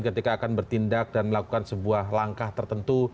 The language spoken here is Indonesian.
ketika akan bertindak dan melakukan sebuah langkah tertentu